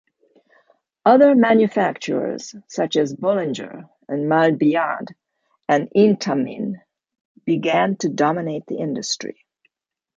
Other manufacturers such as Bolliger and Mabillard and Intamin began to dominate the industry.